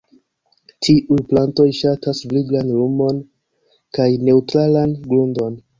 Tiuj plantoj ŝatas viglan lumon kaj neŭtralan grundon.